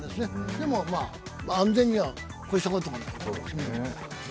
でも、安全に越したことはない。